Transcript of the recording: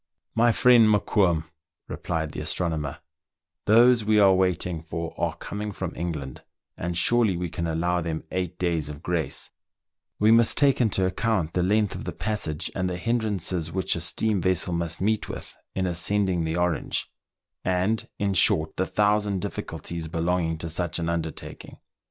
" My friend Mokoum," replied the astronomer, " those we are waiting for are coming from England, and surely we can allow them eight days of grace : we must take into account the length of the passage, and the hindrances which a steam vessel must meet with in ascending the Orange ; and, in short, the thousand difficulties belonging to such an undertaking.